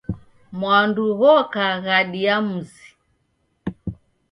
Mwandu ghoka ghadi ya mzi.